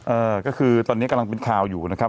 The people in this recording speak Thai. เอ่อก็คือตอนนี้กำลังเป็นข่าวอยู่นะครับ